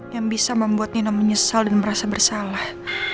yang bisa membuat nina menyesal dan merasa bersalah